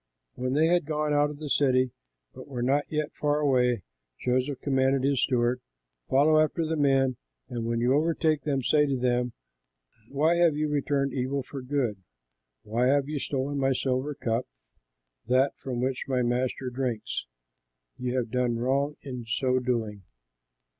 When they had gone out of the city, but were not yet far away, Joseph commanded his steward, "Follow after the men and when you overtake them, say to them, 'Why have you returned evil for good? Why have you stolen my silver cup, that from which my master drinks? You have done wrong in so doing.'"